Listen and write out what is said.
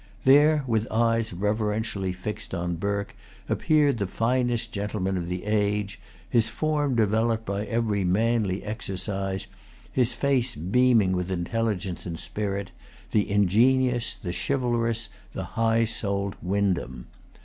There, with eyes reverentially fixed on Burke, appeared the finest gentleman of the age, his form developed by every manly exercise, his face beaming with intelligence and spirit, the ingenious, the chivalrous, the high souled Windham.